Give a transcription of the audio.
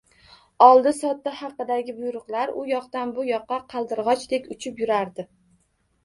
Oldi-sotdi haqidagi buyruqlar u yoqdanbu yoqqa qaldirg`ochdek uchib yurardi